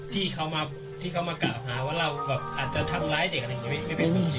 ที่เขามากลับหาว่าเราแบบอาจจะทำร้ายเด็กอะไรอย่างนี้